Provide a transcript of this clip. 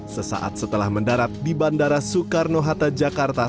sesaat setelah mendarat di bandara soekarno hatta jakarta